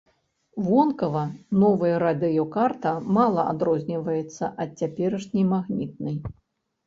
Вонкава новая радыёкарта мала адрозніваецца ад цяперашняй магнітнай.